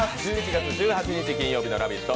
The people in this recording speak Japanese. １１月１８日の「ラヴィット！」